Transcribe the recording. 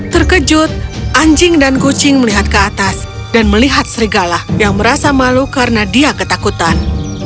terkejut anjing dan kucing melihat ke atas dan melihat serigala yang merasa malu karena dia ketakutan